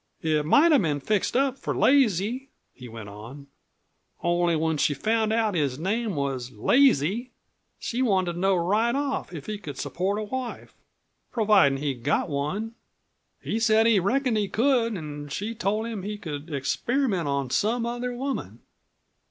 "It might have been fixed up for Lazy," he went on, "only when she found out his name was Lazy, she wanted to know right off if he could support a wife providin' he got one. He said he reckoned he could, an' she told him he could experiment on some other woman.